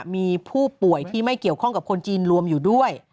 มีผู้ป่วยที่ไม่เกี่ยวข้องกับคนจีนรวมอยู่ด้วย